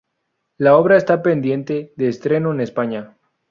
La obra está pendiente de estreno en España.